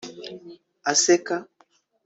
Aseka